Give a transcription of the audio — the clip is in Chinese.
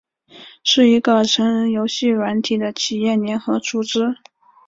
是一个成人游戏软体的企业联合组织。